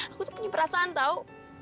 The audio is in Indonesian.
aku tuh punya perasaan tau